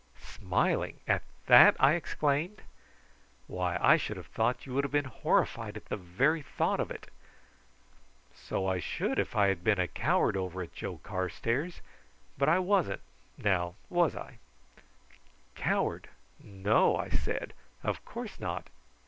"Smiling at that!" I exclaimed. "Why, I should have thought you would have been horrified at the very thought of it." "So I should if I had been a coward over it, Joe Carstairs; but I wasn't now was I?" "Coward! No," I said, "of course not.